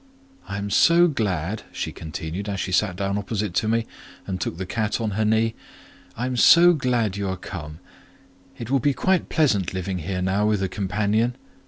"I am so glad," she continued, as she sat down opposite to me, and took the cat on her knee; "I am so glad you are come; it will be quite pleasant living here now with a companion.